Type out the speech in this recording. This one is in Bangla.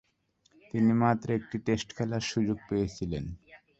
তিনি মাত্র একটি টেস্ট খেলার সুযোগ পেয়েছিলেন।